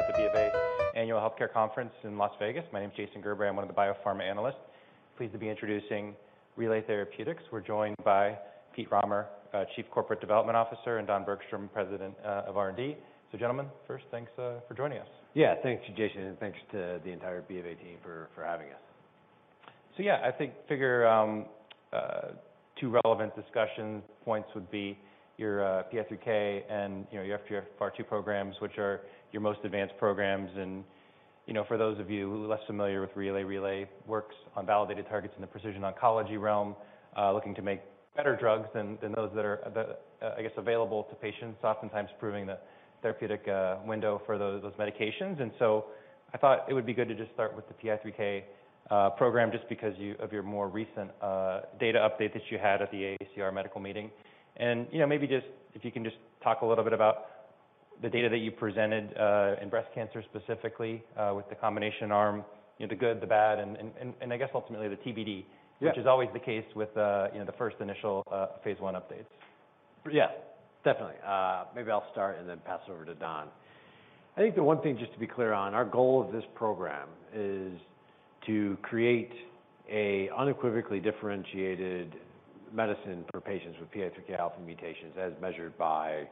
Presenter at the BofA Annual Healthcare Conference in Las Vegas. My name is Jason Gerberry. I'm one of the Biopharma Analysts. Pleased to be introducing Relay Therapeutics. We're joined by Pete Rahmer, Chief Corporate Development Officer, and Don Bergstrom, President, of R&D. Gentlemen, first, thanks, for joining us. Yeah. Thanks to Jason, and thanks to the entire BofA team for having us. Yeah, I think figure, two relevant discussion points would be your PI3K and, you know, your FGFR2 programs, which are your most advanced programs. You know, for those of you less familiar with Relay works on validated targets in the precision oncology realm, looking to make better drugs than those that are, I guess, available to patients, oftentimes improving the therapeutic window for those medications. I thought it would be good to just start with the PI3K program, just because of your more recent data update that you had at the AACR medical meeting. You know, maybe just if you can just talk a little bit about the data that you presented in breast cancer specifically with the combination arm, you know, the good, the bad, and I guess ultimately the TBD? Yeah. Which is always the case with, you know, the first initial, phase I updates. Yeah, definitely. Maybe I'll start and then pass it over to Don. I think the one thing, just to be clear on, our goal of this program is to create a unequivocally differentiated medicine for patients with PI3Kα mutations, as measured by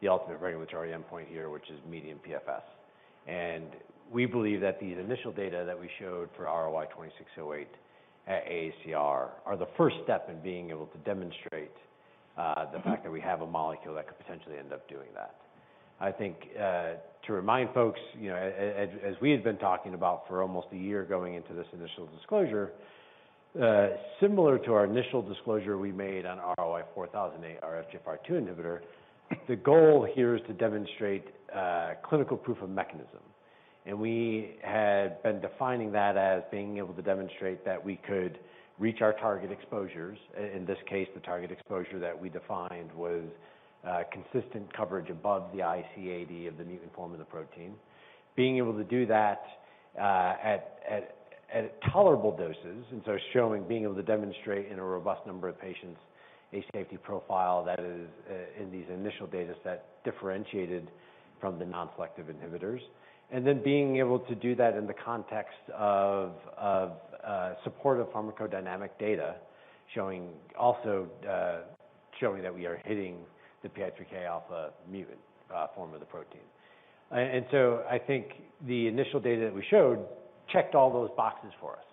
the ultimate regulatory endpoint here, which is median PFS. We believe that the initial data that we showed for RLY-2608 at AACR are the first step in being able to demonstrate the fact that we have a molecule that could potentially end up doing that. I think, to remind folks, you know, as we had been talking about for almost a year going into this initial disclosure, similar to our initial disclosure we made on RLY-4008, our FGFR2 inhibitor, the goal here is to demonstrate clinical proof of mechanism. We had been defining that as being able to demonstrate that we could reach our target exposures. In this case, the target exposure that we defined was consistent coverage above the IC80 of the mutant form of the protein. Being able to do that at tolerable doses, showing being able to demonstrate in a robust number of patients a safety profile that is in these initial data set, differentiated from the non-selective inhibitors. Then being able to do that in the context of supportive pharmacodynamic data, showing also showing that we are hitting the PI3Kα mutant form of the protein. I think the initial data that we showed checked all those boxes for us.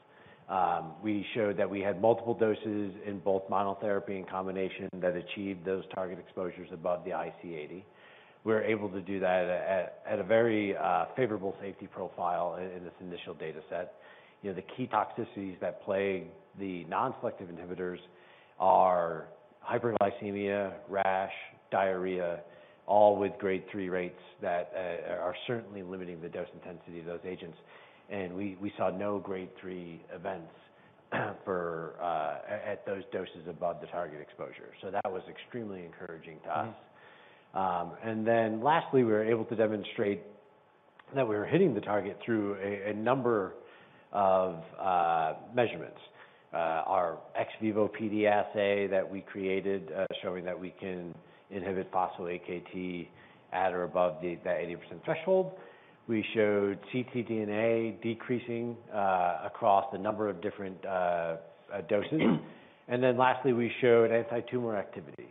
We showed that we had multiple doses in both monotherapy and combination that achieved those target exposures above the IC80. We were able to do that at a very favorable safety profile in this initial data set. You know, the key toxicities that plague the non-selective inhibitors are hyperglycemia, rash, diarrhea, all with Grade 3 rates that are certainly limiting the dose intensity of those agents. We saw no Grade 3 events for at those doses above the target exposure. That was extremely encouraging to us. Lastly, we were able to demonstrate that we were hitting the target through a number of measurements. Our ex vivo PD assay that we created, showing that we can inhibit phospho-AKT at or above the 80% threshold. We showed ctDNA decreasing across a number of different doses. Lastly, we showed antitumor activity.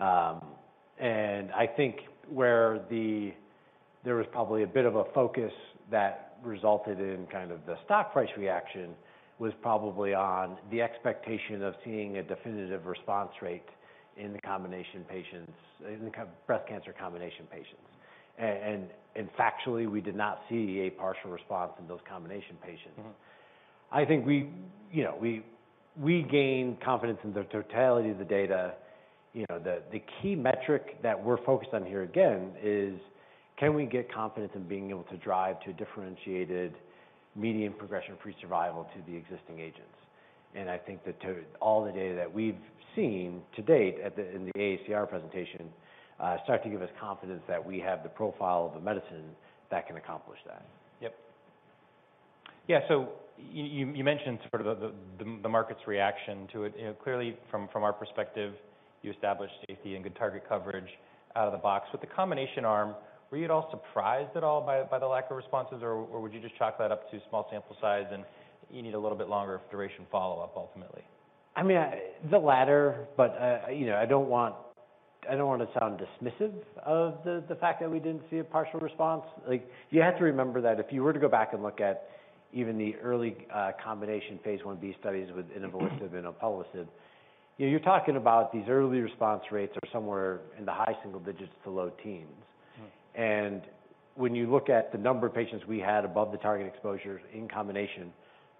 I think where there was probably a bit of a focus that resulted in kind of the stock price reaction was probably on the expectation of seeing a definitive response rate in the kind of breast cancer combination patients. Factually, we did not see a partial response in those combination patients. Mm-hmm. I think we, you know, we gain confidence in the totality of the data. You know, the key metric that we're focused on here again is can we get confidence in being able to drive to differentiated median progression-free survival to the existing agents. I think that all the data that we've seen to date in the AACR presentation start to give us confidence that we have the profile of the medicine that can accomplish that. Yep. Yeah, you mentioned sort of the market's reaction to it. You know, clearly from our perspective, you established safety and good target coverage out of the box. With the combination arm, were you at all surprised by the lack of responses, or would you just chalk that up to small sample size and you need a little bit longer duration follow-up ultimately? I mean, the latter, but, you know, I don't want to sound dismissive of the fact that we didn't see a partial response. Like, you have to remember that if you were to go back and look at even the early combination phase I-B studies with inavolisib and alpelisib, you know, you're talking about these early response rates are somewhere in the high single digits to low teens. Mm-hmm. When you look at the number of patients we had above the target exposures in combination,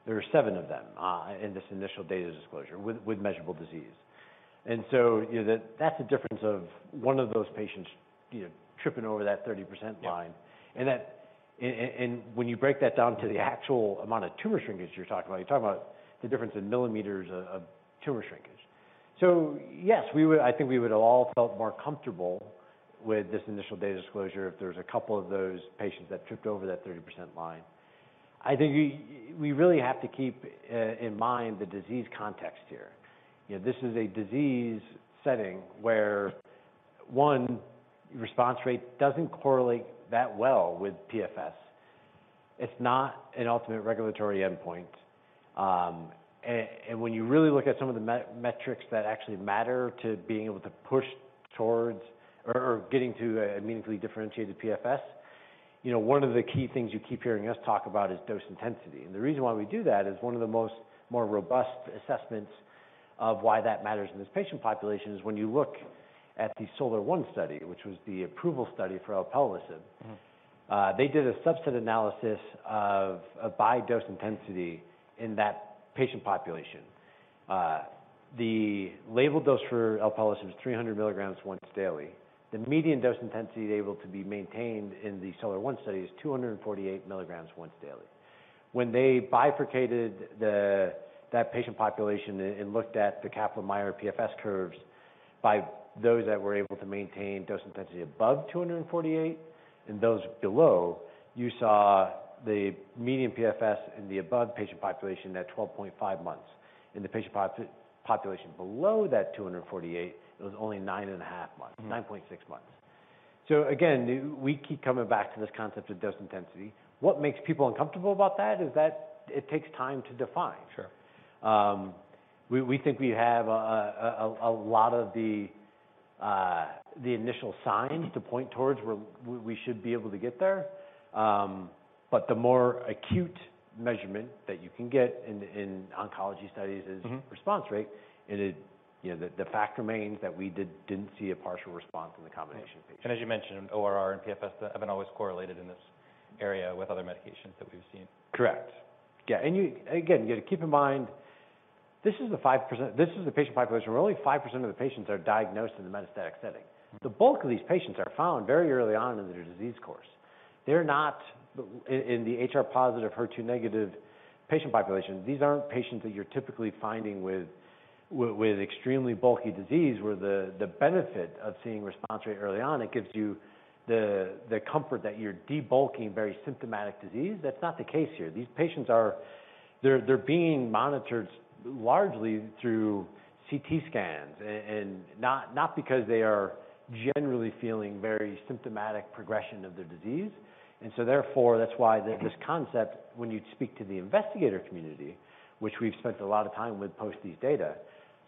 there are seven of them in this initial data disclosure with measurable disease. You know, that's a difference of one of those patients, you know, tripping over that 30% line. Yeah. When you break that down to the actual amount of tumor shrinkage you're talking about, you're talking about the difference in millimeters of tumor shrinkage. Yes, I think we would have all felt more comfortable with this initial data disclosure if there was a couple of those patients that tripped over that 30% line. I think we really have to keep in mind the disease context here. You know, this is a disease setting where, one, response rate doesn't correlate that well with PFS. It's not an ultimate regulatory endpoint. When you really look at some of the metrics that actually matter to being able to push towards or getting to a meaningfully differentiated PFS, you know, one of the key things you keep hearing us talk about is dose intensity. The reason why we do that is one of the most more robust assessments of why that matters in this patient population is when you look at the SOLAR-1 study, which was the approval study for alpelisib. Mm. They did a subset analysis by dose intensity in that patient population. The label dose for alpelisib is 300 mg once daily. The median dose intensity able to be maintained in the SOLAR-1 study is 248 mg once daily. When they bifurcated that patient population and looked at the Kaplan-Meier PFS curves by those that were able to maintain dose intensity above 248 and those below, you saw the median PFS in the above patient population at 12.5 months. In the patient population below that 248, it was only 9.5 months, 9.6 months. Again, we keep coming back to this concept of dose intensity. What makes people uncomfortable about that is that it takes time to define. Sure. We think we have a lot of the initial signs to point towards where we should be able to get there. The more acute measurement that you can get in oncology studies is response rate. you know, the fact remains that we didn't see a partial response in the combination patient. As you mentioned, ORR and PFS haven't always correlated in this area with other medications that we've seen. Correct. Yeah. Again, you gotta keep in mind, this is the patient population where only 5% of the patients are diagnosed in the metastatic setting. Mm. The bulk of these patients are found very early on in their disease course. They're not in the HR+/HER2- patient population, these aren't patients that you're typically finding with extremely bulky disease where the benefit of seeing response rate early on, it gives you the comfort that you're debulking very symptomatic disease. That's not the case here. They're being monitored largely through CT scans and not because they are generally feeling very symptomatic progression of their disease. Therefore, that's why this concept, when you speak to the investigator community, which we've spent a lot of time with post these data,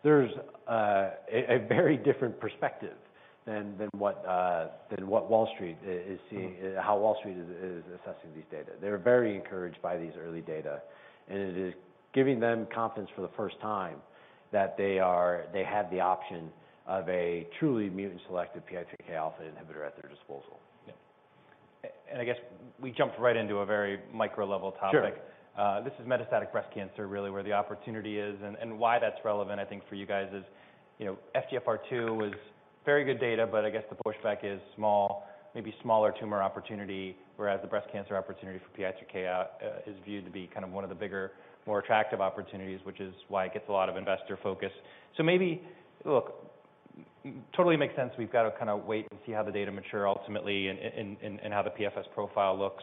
there's a very different perspective than what Wall Street is seeing, how Wall Street is assessing these data. They're very encouraged by these early data. It is giving them confidence for the first time that they have the option of a truly mutant-selective PI3Kα inhibitor at their disposal. Yeah. I guess we jumped right into a very micro-level topic. Sure. This is metastatic breast cancer, really where the opportunity is and why that's relevant, I think, for you guys is, you know, FGFR2 was very good data, but I guess the pushback is small, maybe smaller tumor opportunity, whereas the breast cancer opportunity for PI3Kα is viewed to be kind of one of the bigger, more attractive opportunities, which is why it gets a lot of investor focus. Look, totally makes sense we've got to kinda wait and see how the data mature ultimately and how the PFS profile looks.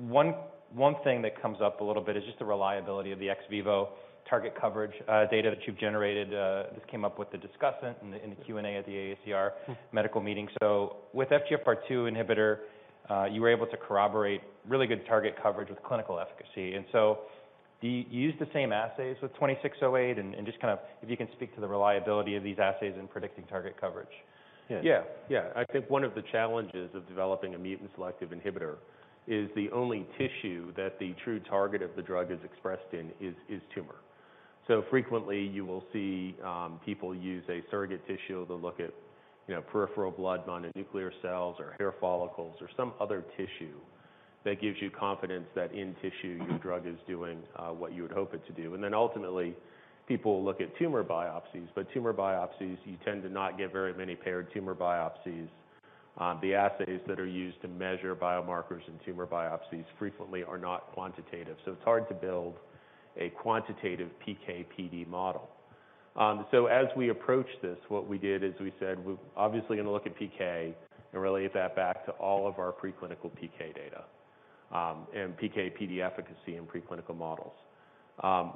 One thing that comes up a little bit is just the reliability of the ex vivo target coverage data that you've generated. This came up with the discussant in the, in the Q&A at the AACR medical meeting. With FGFR2 inhibitor, you were able to corroborate really good target coverage with clinical efficacy. Do you use the same assays with 2608? Just kind of if you can speak to the reliability of these assays in predicting target coverage. Yeah. Yeah. I think one of the challenges of developing a mutant-selective inhibitor is the only tissue that the true target of the drug is expressed in is tumor. Frequently, you will see people use a surrogate tissue. They'll look at, you know, peripheral blood mononuclear cells or hair follicles or some other tissue that gives you confidence that in tissue your drug is doing what you would hope it to do. Ultimately, people will look at tumor biopsies. Tumor biopsies, you tend to not get very many paired tumor biopsies. The assays that are used to measure biomarkers in tumor biopsies frequently are not quantitative, so it's hard to build a quantitative PK/PD model. As we approach this, what we did is we said we're obviously gonna look at PK and relate that back to all of our preclinical PK data, and PK/PD efficacy in preclinical models.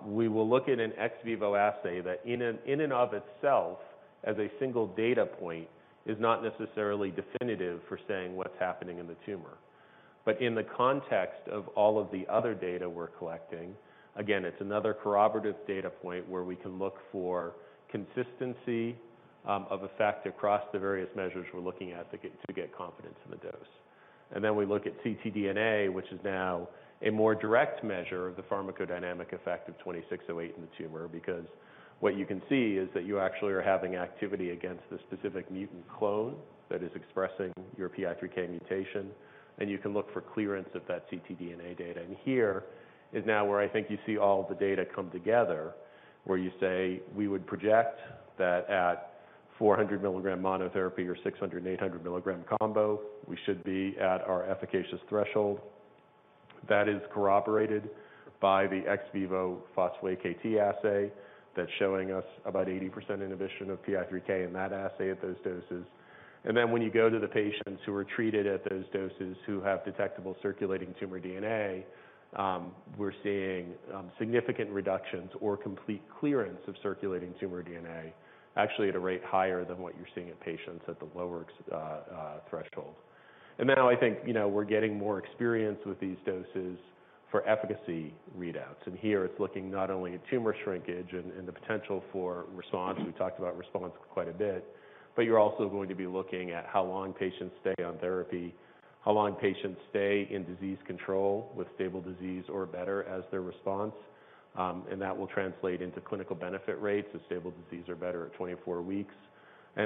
We will look at an ex vivo assay that in and of itself as a single data point is not necessarily definitive for saying what's happening in the tumor. In the context of all of the other data we're collecting, again, it's another corroborative data point where we can look for consistency, of effect across the various measures we're looking at to get confidence in the dose. We look at ctDNA, which is now a more direct measure of the pharmacodynamic effect of RLY-2608 in the tumor because what you can see is that you actually are having activity against the specific mutant clone that is expressing your PI3K mutation, and you can look for clearance of that ctDNA data. Here is now where I think you see all the data come together, where you say we would project that at 400 mg monotherapy or 600-800 mg combo, we should be at our efficacious threshold. That is corroborated by the ex vivo phospho-AKT assay that's showing us about 80% inhibition of PI3K in that assay at those doses. When you go to the patients who are treated at those doses who have detectable circulating tumor DNA, we're seeing significant reductions or complete clearance of circulating tumor DNA actually at a rate higher than what you're seeing in patients at the lower threshold. Now I think, you know, we're getting more experience with these doses for efficacy readouts. Here it's looking not only at tumor shrinkage and the potential for response, we've talked about response quite a bit, but you're also going to be looking at how long patients stay on therapy, how long patients stay in disease control with stable disease or better as their response. That will translate into clinical benefit rates of stable disease or better at 24 weeks.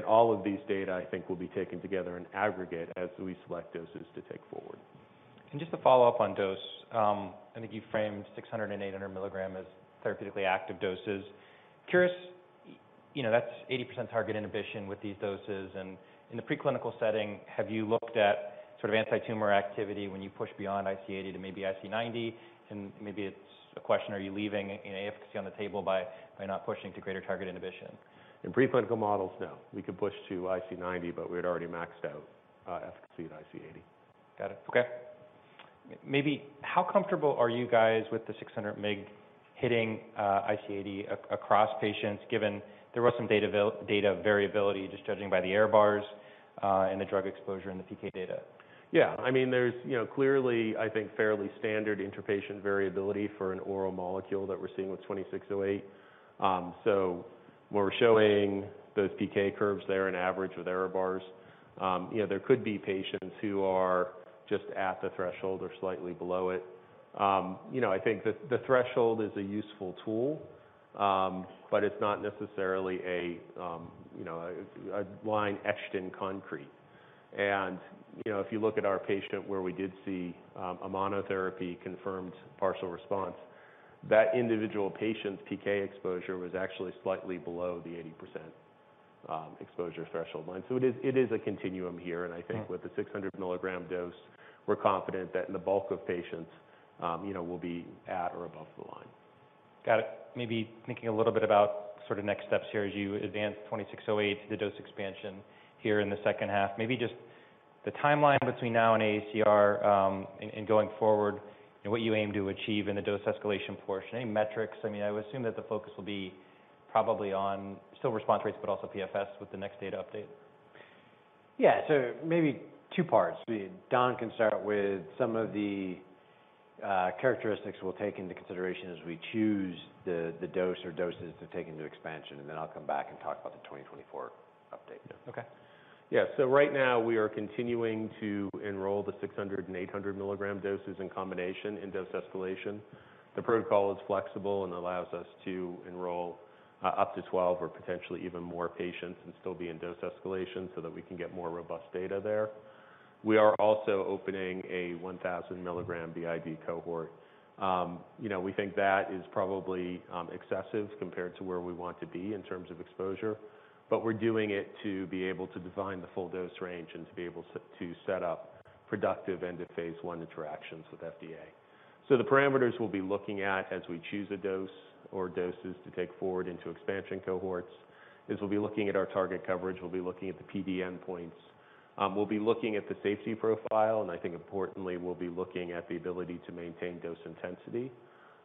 All of these data, I think, will be taken together in aggregate as we select doses to take forward. Just to follow up on dose, I think you framed 600 mg and 800 mg as therapeutically active doses. Curious, you know, that's 80% target inhibition with these doses and in the preclinical setting, have you looked at sort of antitumor activity when you push beyond IC80 to maybe IC90? Maybe it's a question, are you leaving, you know, efficacy on the table by not pushing to greater target inhibition? In preclinical models, no. We could push to IC90, but we had already maxed out efficacy at IC80. Got it. Okay. Maybe how comfortable are you guys with the 600 mg hitting, IC80 across patients, given there was some data variability just judging by the error bars, and the drug exposure in the PK data? Yeah. I mean, there's, you know, clearly, I think, fairly standard interpatient variability for an oral molecule that we're seeing with 2608. When we're showing those PK curves there in average with error bars, you know, there could be patients who are just at the threshold or slightly below it. You know, I think the threshold is a useful tool, but it's not necessarily a, you know, a line etched in concrete. You know, if you look at our patient where we did see a monotherapy confirmed partial response, that individual patient's PK exposure was actually slightly below the 80% exposure threshold line. It is, it is a continuum here. Right. I think with the 600 mg dose, we're confident that the bulk of patients, you know, will be at or above the line. Got it. Maybe thinking a little bit about sort of next steps here as you advance 2608 to the dose expansion here in the second half. Maybe just the timeline between now and AACR, and going forward and what you aim to achieve in the dose escalation portion? Any metrics? I mean, I would assume that the focus will be probably on still response rates, but also PFS with the next data update. Yeah. Maybe two parts. Don can start with some of the characteristics we'll take into consideration as we choose the dose or doses to take into expansion, and then I'll come back and talk about the 2024 update. Okay. Right now we are continuing to enroll the 600 mg and 800 mg doses in combination in dose escalation. The protocol is flexible and allows us to enroll up to 12 or potentially even more patients and still be in dose escalation so that we can get more robust data there. We are also opening a 1,000 mg BID cohort. You know, we think that is probably excessive compared to where we want to be in terms of exposure, but we're doing it to be able to define the full dose range and to be able to set up productive end of phase I interactions with FDA. The parameters we'll be looking at as we choose a dose or doses to take forward into expansion cohorts is we'll be looking at our target coverage, we'll be looking at the PD endpoints, we'll be looking at the safety profile, and I think importantly, we'll be looking at the ability to maintain dose intensity.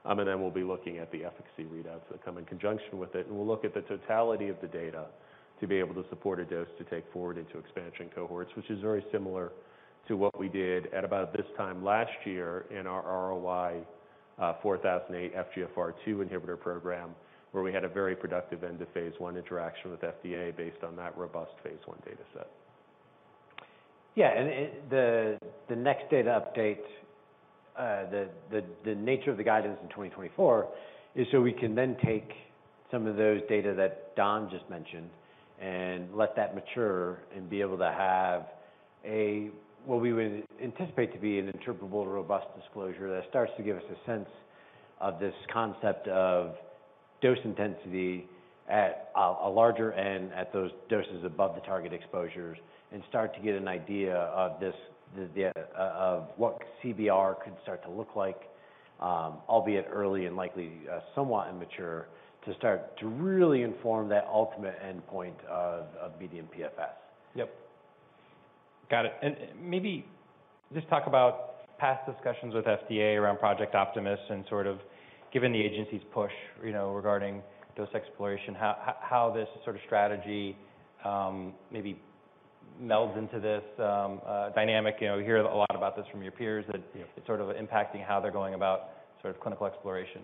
We'll be looking at the efficacy readouts that come in conjunction with it, and we'll look at the totality of the data to be able to support a dose to take forward into expansion cohorts, which is very similar to what we did at about this time last year in our RLY-4008 FGFR2 inhibitor program, where we had a very productive end of phase I interaction with FDA based on that robust phase I data set. Yeah. The nature of the guidance in 2024 is so we can then take some of those data that Don just mentioned and let that mature and be able to have what we would anticipate to be an interpretable, robust disclosure that starts to give us a sense of this concept of dose intensity at a larger end at those doses above the target exposures and start to get an idea of this, of what CBR could start to look like, albeit early and likely somewhat immature, to start to really inform that ultimate endpoint of median PFS. Yep. Got it. Maybe just talk about past discussions with FDA around Project Optimus and sort of given the agency's push, you know, regarding dose exploration, how this sort of strategy maybe melds into this dynamic. You know, we hear a lot about this from your peers that it's sort of impacting how they're going about sort of clinical exploration.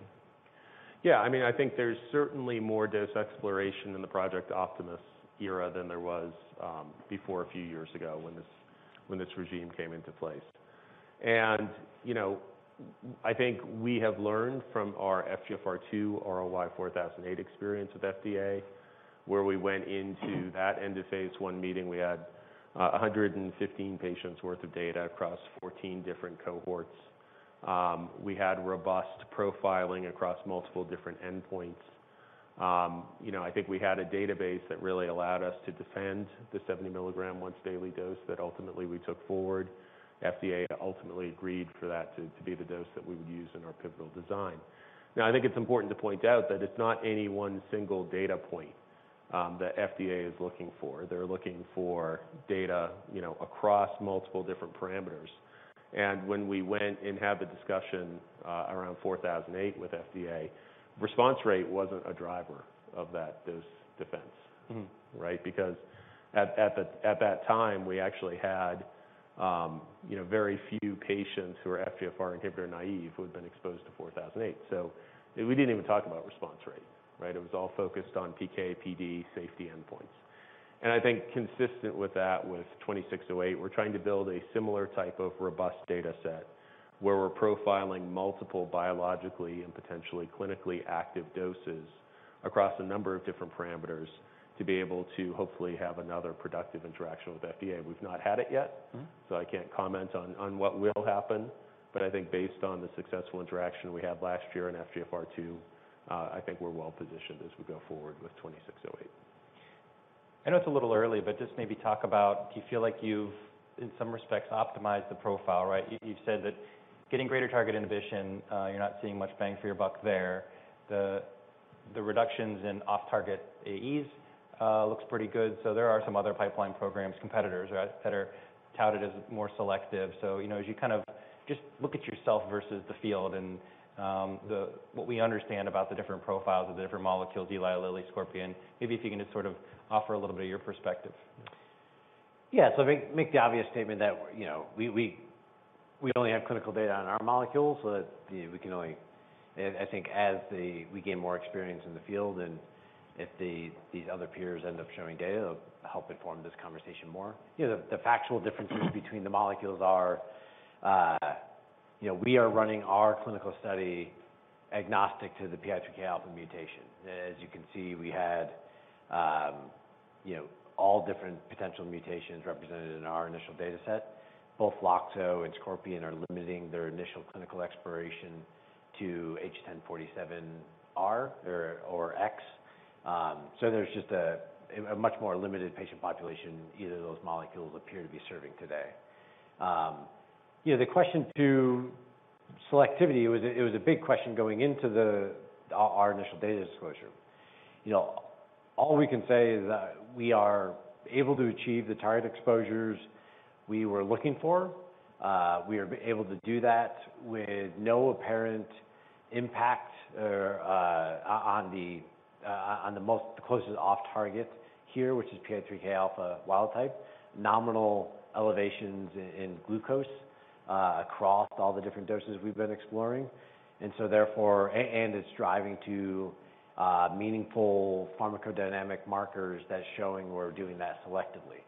Yeah. I mean, I think there's certainly more dose exploration in the Project Optimus era than there was before a few years ago when this, when this regime came into place. You know, I think we have learned from our FGFR2 RLY-4008 experience with FDA, where we went into that end of phase one meeting, we had 115 patients worth of data across 14 different cohorts. We had robust profiling across multiple different endpoints. you know, I think we had a database that really allowed us to defend the 70 mg once daily dose that ultimately we took forward. FDA ultimately agreed for that to be the dose that we would use in our pivotal design. I think it's important to point out that it's not any one single data point that FDA is looking for. They're looking for data, you know, across multiple different parameters. When we went and had the discussion around 4008 with FDA, response rate wasn't a driver of that dose defense. Mm. Right? Because at that time, we actually had, you know, very few patients who were FGFR inhibitor naive who had been exposed to 4008. We didn't even talk about response rate, right? It was all focused on PK/PD safety endpoints. I think consistent with that, with 2608, we're trying to build a similar type of robust data set where we're profiling multiple biologically and potentially clinically active doses across a number of different parameters to be able to hopefully have another productive interaction with FDA. We've not had it yet. Mm-hmm. I can't comment on what will happen, but I think based on the successful interaction we had last year in FGFR2, I think we're well-positioned as we go forward with 2608. I know it's a little early, but just maybe talk about, do you feel like you've, in some respects, optimized the profile, right? You've said that getting greater target inhibition, you're not seeing much bang for your buck there. The reductions in off target AEs looks pretty good. There are some other pipeline programs, competitors, right, that are touted as more selective. You know, as you kind of just look at yourself versus the field and what we understand about the different profiles of the different molecules, Eli Lilly, Scorpion, maybe if you can just sort of offer a little bit of your perspective. Yeah. Make the obvious statement that, you know, we only have clinical data on our molecules. I think as we gain more experience in the field and if these other peers end up showing data, it'll help inform this conversation more. You know, the factual differences between the molecules are, you know, we are running our clinical study agnostic to the PI3Kα mutation. As you can see, we had, you know, all different potential mutations represented in our initial data set. Both Loxo and Scorpion are limiting their initial clinical exploration to H1047R or X. There's just a much more limited patient population either of those molecules appear to be serving today. You know, the question to selectivity, it was a big question going into our initial data disclosure. You know, all we can say is that we are able to achieve the target exposures we were looking for. We are able to do that with no apparent impact or on the closest off target here, which is PI3Kα wild-type, nominal elevations in glucose across all the different doses we've been exploring. It's driving to meaningful pharmacodynamic markers that's showing we're doing that selectively.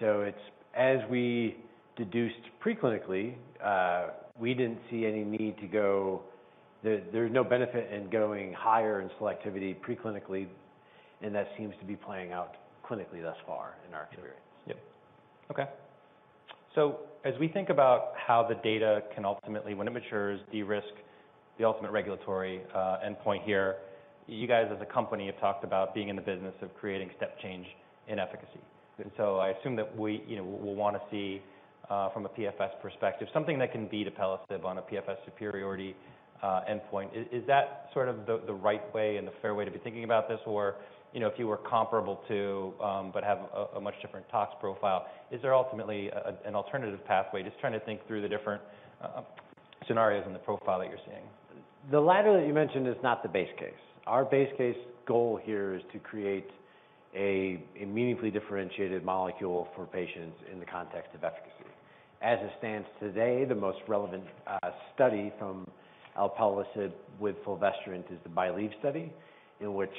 Mm. As we deduced pre-clinically, there's no benefit in going higher in selectivity pre-clinically, and that seems to be playing out clinically thus far in our experience. Yep. Okay. As we think about how the data can ultimately, when it matures, de-risk the ultimate regulatory endpoint here, you guys as a company have talked about being in the business of creating step change in efficacy. I assume that we, you know, we'll wanna see, from a PFS perspective, something that can beat alpelisib on a PFS superiority endpoint. Is that sort of the right way and the fair way to be thinking about this? Or, you know, if you were comparable to, but have a much different tox profile, is there ultimately an alternative pathway? Just trying to think through the different scenarios in the profile that you're seeing. The latter that you mentioned is not the base case. Our base case goal here is to create a meaningfully differentiated molecule for patients in the context of efficacy. As it stands today, the most relevant study from alpelisib with fulvestrant is the BYLieve study, in which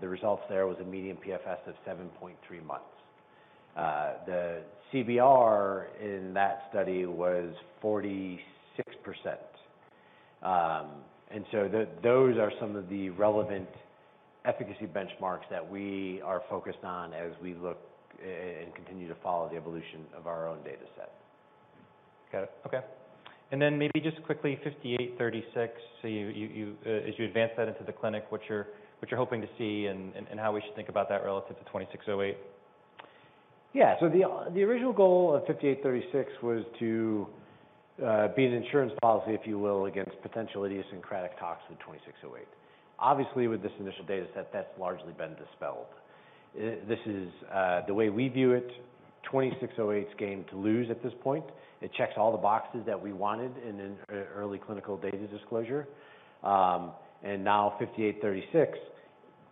the results there was a median PFS of 7.3 months. The CBR in that study was 46%. Those are some of the relevant efficacy benchmarks that we are focused on as we look and continue to follow the evolution of our own data set. Got it. Okay. Maybe just quickly, 5836. You as you advance that into the clinic, what you're hoping to see and how we should think about that relative to 2608. The original goal of RLY-5836 was to be an insurance policy, if you will, against potential idiosyncratic tox with RLY-2608. Obviously, with this initial data set, that's largely been dispelled. This is the way we view it, RLY-2608's game to lose at this point. It checks all the boxes that we wanted in an early clinical data disclosure. Now RLY-5836,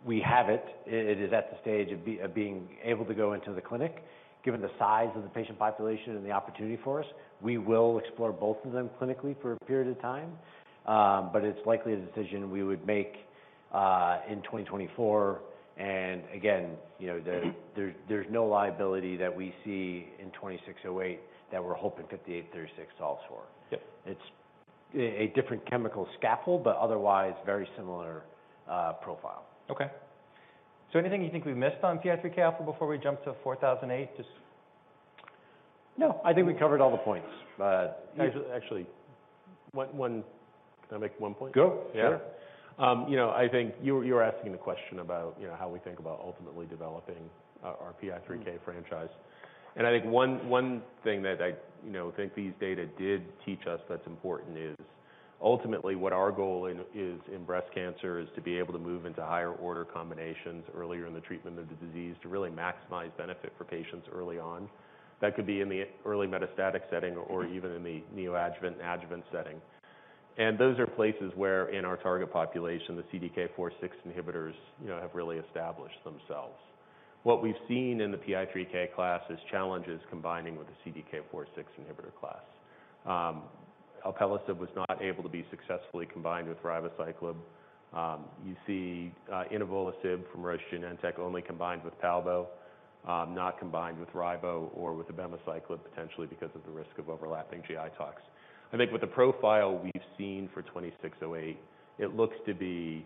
we have it. It is at the stage of being able to go into the clinic. Given the size of the patient population and the opportunity for us, we will explore both of them clinically for a period of time. It's likely a decision we would make in 2024. Again, you know, there... There's no liability that we see in RLY-2608 that we're hoping RLY-5836 solves for. Yep. It's a different chemical scaffold, but otherwise very similar profile. Okay. Anything you think we've missed on PI3Kα before we jump to 4008? No, I think we covered all the points. Actually, can I make one point? Go. Sure. Yeah. You know, I think you were, you were asking the question about, you know, how we think about ultimately developing our PI3K franchise. I think one thing that I, you know, think these data did teach us that's important is ultimately what our goal is in breast cancer is to be able to move into higher order combinations earlier in the treatment of the disease to really maximize benefit for patients early on. That could be in the early metastatic setting or even in the neoadjuvant, adjuvant setting. Those are places where in our target population, the CDK4/6 inhibitors, you know, have really established themselves. What we've seen in the PI3K class is challenges combining with the CDK4/6 inhibitor class. Alpelisib was not able to be successfully combined with ribociclib. You see inavolisib from Roche's Genentech only combined with palbo, not combined with ribo or with abemaciclib potentially because of the risk of overlapping GI tox. I think with the profile we've seen for 2608, it looks to be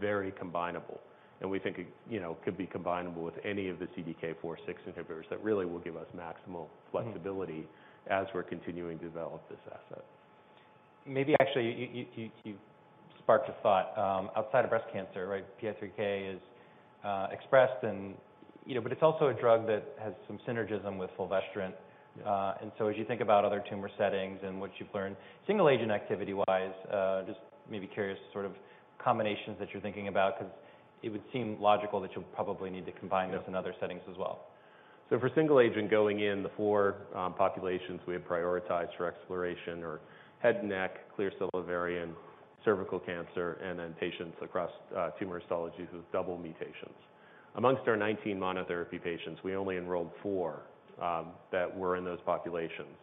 very combinable, and we think it, you know, could be combinable with any of the CDK4/6 inhibitors that really will give us maximal flexibility as we're continuing to develop this asset. Maybe actually you've sparked a thought. Outside of breast cancer, right? PI3K is expressed and, you know, but it's also a drug that has some synergism with fulvestrant. Yeah. As you think about other tumor settings and what you've learned single agent activity-wise, just maybe curious sort of combinations that you're thinking about 'cause it would seem logical that you'll probably need to combine this in other settings as well. For single agent going in, the four populations we have prioritized for exploration are head and neck, clear cell ovarian, cervical cancer, and patients across tumor histologies with double mutations. Amongst our 19 monotherapy patients, we only enrolled four that were in those populations,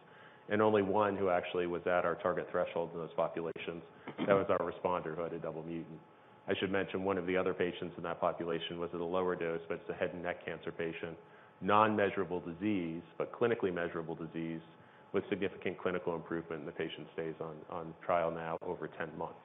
and only one who actually was at our target threshold in those populations. That was our responder who had a double mutant. I should mention one of the other patients in that population was at a lower dose, but it's a head and neck cancer patient, non-measurable disease, but clinically measurable disease with significant clinical improvement, and the patient stays on trial now over 10 months.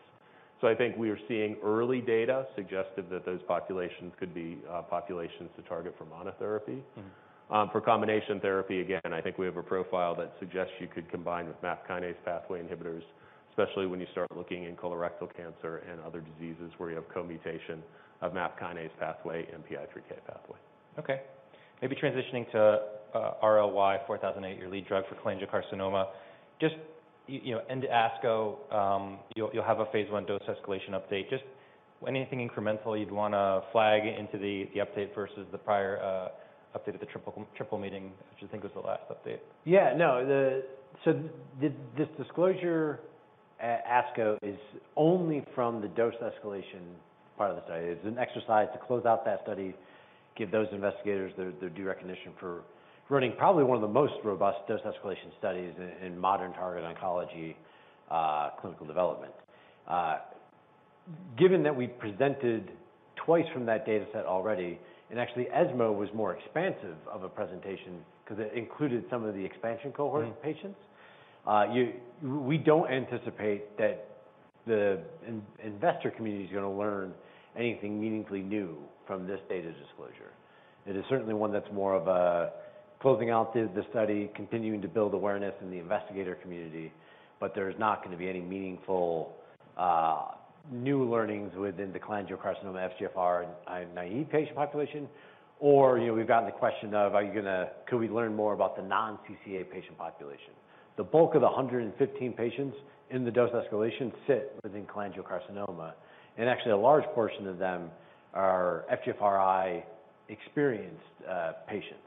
I think we are seeing early data suggestive that those populations could be populations to target for monotherapy. Mm-hmm. For combination therapy, again, I think we have a profile that suggests you could combine with MAP Kinase pathway inhibitors, especially when you start looking in colorectal cancer and other diseases where you have co-mutation of MAP kinase pathway and PI3K pathway. Okay. Maybe transitioning to RLY-4008, your lead drug for cholangiocarcinoma. Just, you know, in the ASCO, you'll have a phase I dose escalation update. Just anything incremental you'd wanna flag into the update versus the prior update at the triple meeting, which I think was the last update. Yeah. No. This disclosure at ASCO is only from the dose escalation part of the study. It's an exercise to close out that study, give those investigators their due recognition for running probably one of the most robust dose escalation studies in modern targeted oncology, clinical development. Given that we presented twice from that data set already, and actually ESMO was more expansive of a presentation 'cause it included some of the expansion cohort of patients. We don't anticipate that the investor community is gonna learn anything meaningfully new from this data disclosure. It is certainly one that's more of a closing out the study, continuing to build awareness in the investigator community, but there's not gonna be any meaningful new learnings within the cholangiocarcinoma FGFR and IE patient population or, you know, we've gotten the question of could we learn more about the non-CCA patient population? The bulk of the 115 patients in the dose escalation sit within cholangiocarcinoma, and actually a large portion of them are FGFRi experienced patients.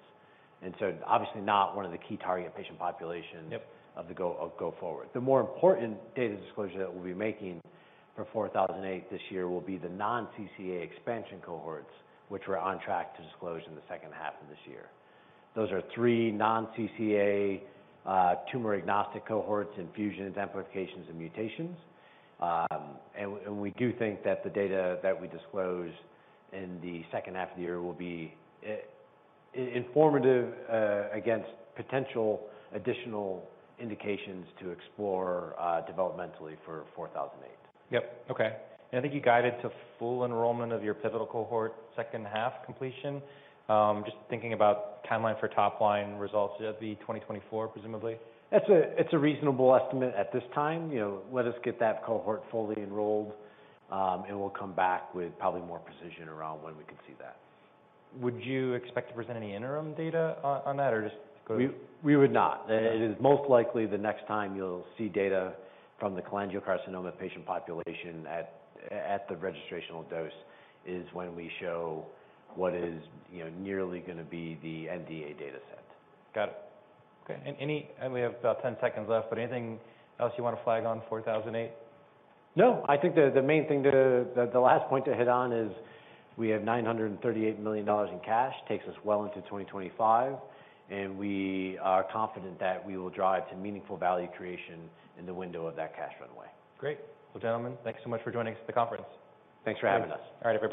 Obviously not one of the key target patient populations of go forward. The more important data disclosure that we'll be making for 4008 this year will be the non-CCA expansion cohorts, which we're on track to disclose in the second half of this year. Those are three non-CCA, tumor-agnostic cohorts in fusions, amplifications, and mutations. And we do think that the data that we disclose in the second half of the year will be informative against potential additional indications to explore developmentally for 4008. Yep. Okay. I think you guided to full enrollment of your pivotal cohort second half completion. Just thinking about timeline for top line results, that'd be 2024 presumably? That's it's a reasonable estimate at this time. You know, let us get that cohort fully enrolled, and we'll come back with probably more precision around when we can see that. Would you expect to present any interim data on that or just go? We would not. Okay. It is most likely the next time you'll see data from the cholangiocarcinoma patient population at the registrational dose is when we show what is, you know, nearly gonna be the NDA data set. Got it. Okay. We have about 10 seconds left, but anything else you wanna flag on RLY-4008? No. I think the main thing to, the last point to hit on is we have $938 million in cash, takes us well into 2025, and we are confident that we will drive to meaningful value creation in the window of that cash runway. Great. Well, gentlemen, thank you so much for joining us at the conference. Thanks for having us. All right, everybody.